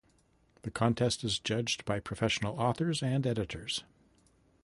The contest is judged by professional authors and editors.